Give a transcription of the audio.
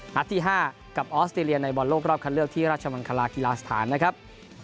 นัดที่๕กับออสเตรเลียในบอลโลกรอบคันเลือกที่ราชมังคลากีฬาสถานนะครับ